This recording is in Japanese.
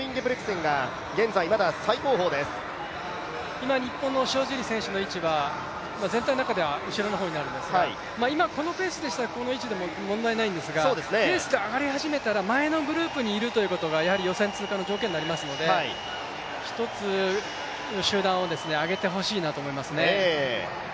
今、日本の塩尻選手の位置は全体の中では後ろの方になりますが、今、このペースでしたらこの位置でも問題ないんですがペースで上がり始めたら前にグループにいるということが予選通過の条件になりますので、１つ集団を上げてほしいなと思いますね。